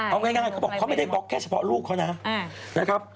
เอาง่ายเขาบอกเขาไม่ได้บล็อกแค่เฉพาะลูกเขานะครับ